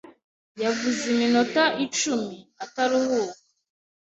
Yavuze iminota icumi ataruhuka.